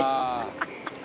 ハハハハ！